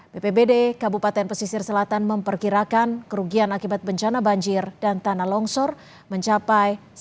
bpbd kabupaten pesisir selatan memperkirakan kerugian akibat bencana banjir dan tanah longsor mencapai rp satu ratus tujuh puluh empat miliar